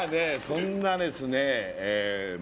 そんなですね